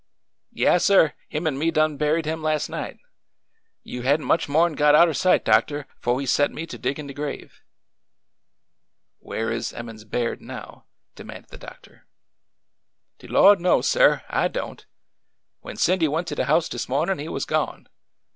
Yaas, sir ; him an' me done buried him las' night. You had n't much more 'n got out er sight, doctor, 'fo' he set me to diggin' de grave." " Where is Emmons Baird now ?" demanded the doctor. '' De Lord knows, sir ! I don't. When Cindy went to de house dis mawnin' he was gone.